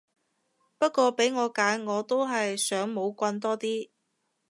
不過俾我揀我都係想冇棍多啲